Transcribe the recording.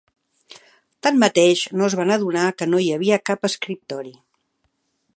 Tanmateix no es van adonar que no hi havia cap escriptori.